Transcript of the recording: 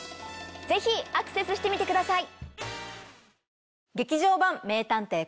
ぜひアクセスしてみてください！